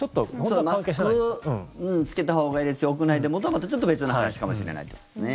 マスクを着けたほうがいいですよ、屋内でもとはまたちょっと別の話かもしれないということですね。